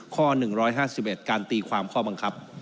ข้อ๑๕๑การตีความข้อบังคับ